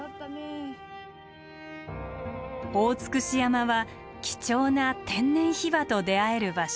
大尽山は貴重な天然ヒバと出会える場所。